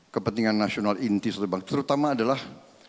kepentingan nasional inti suatu bangsa terutama adalah